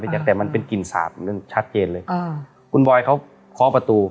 พี่แจ๊คแต่มันเป็นกลิ่นสาบชัดเจนเลยอ่าคุณบอสเขาคอประตู